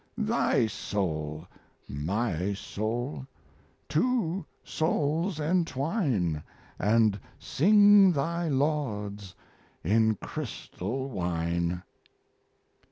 Thy soul, my soul, two souls entwine, And sing thy lauds in crystal wine!